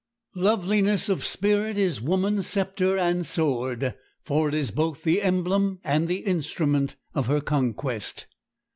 Loveliness of spirit is woman's scepter and sword; for it is both the emblem and the instrument of her conquest.